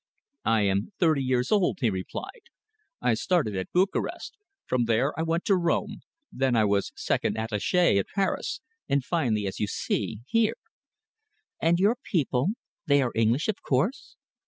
"I am thirty years old," he replied. "I started at Bukarest. From there I went to Rome. Then I was second attaché at Paris, and finally, as you see, here." "And your people they are English, of course?"